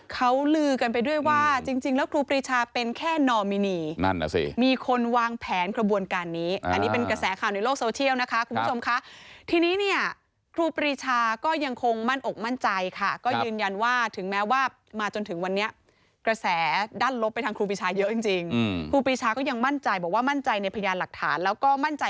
เขาลือกันไปด้วยว่าจริงแล้วครูปรีชาเป็นแค่นอมินีนั่นน่ะสิมีคนวางแผนกระบวนการนี้อันนี้เป็นกระแสข่าวในโลกโซเชียลนะคะคุณผู้ชมค่ะทีนี้เนี่ยครูปรีชาก็ยังคงมั่นอกมั่นใจค่ะก็ยืนยันว่าถึงแม้ว่ามาจนถึงวันนี้กระแสด้านลบไปทางครูปีชาเยอะจริงครูปรีชาก็ยังมั่นใจบอกว่ามั่นใจในพยานหลักฐานแล้วก็มั่นใจ